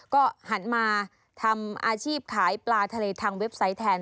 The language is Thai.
ก็หันมาทำอาชีพขายปลาทะเลทางเว็บไซต์แทน